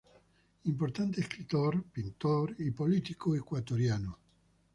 Importante escritor, pintor y político ecuatoriano.